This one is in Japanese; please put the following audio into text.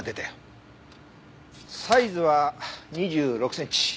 サイズは２６センチ。